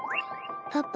パパ。